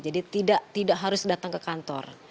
jadi tidak harus datang ke kantor